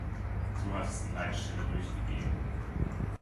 So hat es die Leitstelle durchgegeben.